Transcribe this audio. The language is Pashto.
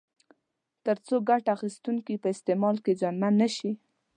تر څو ګټه اخیستونکي په استعمال کې زیانمن نه شي.